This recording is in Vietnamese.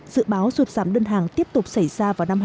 dự báo sụt giảm đơn hàng tiếp tục xảy ra vào năm hai nghìn hai mươi